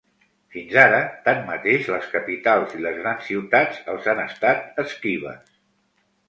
Fins ara, tanmateix, les capitals i les grans ciutats els han estat esquives.